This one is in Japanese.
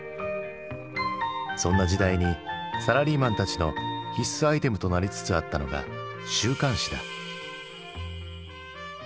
そんな時代にサラリーマンたちの必須アイテムとなりつつあったのが週刊誌だ。